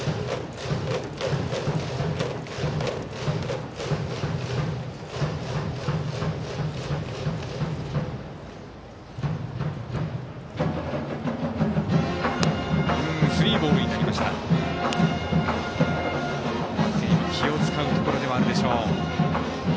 バッテリーも気を使うところではあるでしょう。